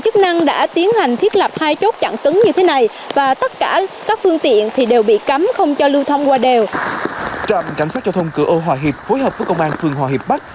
trạm cảnh sát giao thông cửa âu hòa hiệp hối hợp với công an phường hòa hiệp bắc